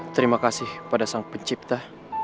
terima kasih pada sang pencipta